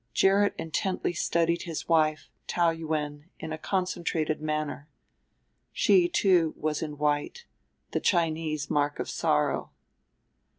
Gerrit intently studied his wife, Taou Yuen, in a concentrated manner. She, too, was in white, the Chinese mark of sorrow.